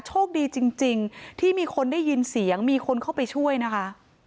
โชคดีจริงที่มีคนได้ยินเสียงมีคนเข้าไปช่วยนะคะ